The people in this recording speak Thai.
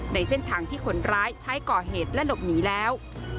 ในเส้นทางที่คนร้ายใช้ก่อเหตุและหลบหนีแล้ว